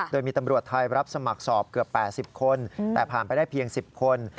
โดยมีตำรวจไทยรับสมัครสอบเกือบ๘๐คนแต่ผ่านไปได้เพียง๑๐คน